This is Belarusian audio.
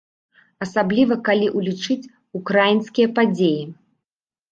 Асабліва калі ўлічыць украінскія падзеі.